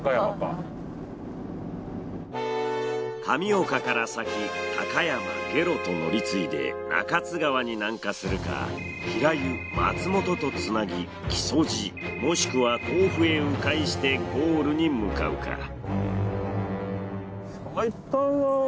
神岡から先高山下呂と乗り継いで中津川に南下するか平湯松本とつなぎ木曽路もしくは甲府へ迂回してゴールに向かうか。